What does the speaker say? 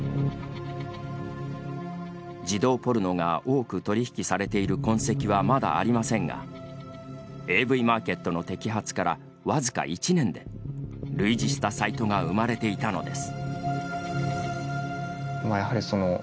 児童ポルノが多く取り引きされている痕跡はまだありませんがＡＶＭａｒｋｅｔの摘発から僅か１年で類似したサイトが生まれていたのです。